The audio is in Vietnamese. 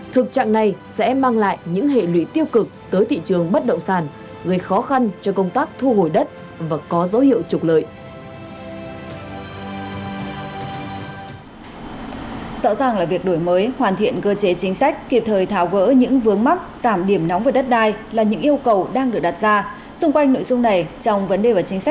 thực trạng này sẽ mang lại những hệ lụy tiêu cực tới thị trường bất động sản gây khó khăn cho công tác thu hồi đất và có dấu hiệu trục lợi